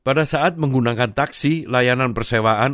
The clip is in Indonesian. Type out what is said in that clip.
pada saat menggunakan taksi layanan persewaan